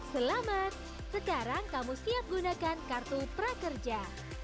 selamat sekarang kamu siap gunakan kartu prakerja